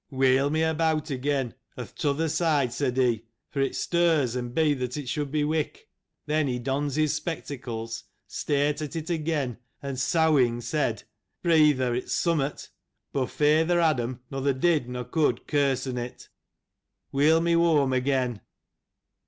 Wheel me abeawt again, o'th tother side, said he, for it sturs, an by that, it should be wick. Then he dona his spectacles, stare't at't again, an sowghin', said, 'Breether, its summat : boh fey ther Adam nother did, nor could kersun it. Wheel mo whoam again